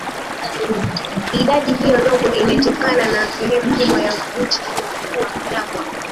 Idadi hiyo ndogo imetokana na sehemu kubwa ya nchi hiyo kuwa jangwa